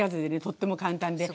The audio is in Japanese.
とっても簡単で。